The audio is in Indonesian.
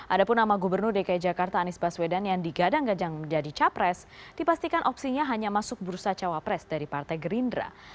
ada pun nama gubernur dki jakarta anies baswedan yang digadang gadang menjadi capres dipastikan opsinya hanya masuk bursa cawapres dari partai gerindra